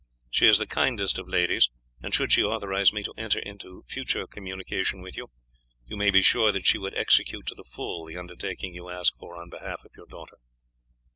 She is the kindest of ladies, and should she authorize me to enter into further communication with you, you may be sure that she would execute to the full the undertaking you ask for on behalf of your daughter.